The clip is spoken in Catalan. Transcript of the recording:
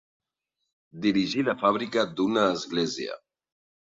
Dirigir la fàbrica d'una església.